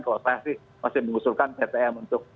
kalau saya sih masih mengusulkan ptm untuk anak anak itu